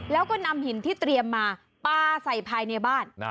แล้วก็นำหินที่เตรียมมาปลาใส่ภายในบ้าน